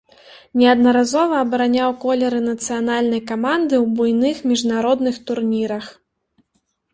Неаднаразова абараняў колеры нацыянальнай каманды ў буйных міжнародных турнірах.